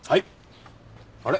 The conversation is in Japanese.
あれ？